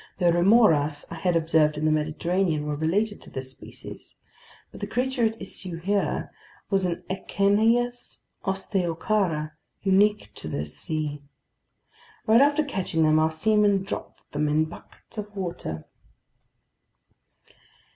The remoras I had observed in the Mediterranean were related to this species. But the creature at issue here was an Echeneis osteochara, unique to this sea. Right after catching them, our seamen dropped them in buckets of water.